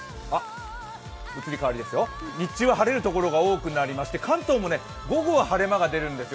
日中は晴れるところが多くなりまして関東も午後は晴れ間が出るんですよ。